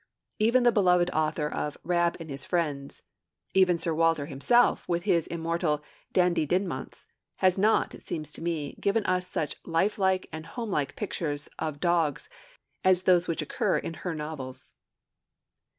Even the beloved author of Rab and His Friends, even Sir Walter himself, with his immortal Dandie Dinmonts, has not, it seems to me, given us such life like and home like pictures of dogs as those which occur in her novels.